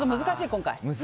今回。